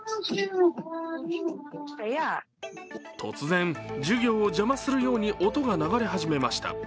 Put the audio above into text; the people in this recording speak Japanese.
突然、授業を邪魔するように音が流れ始めました。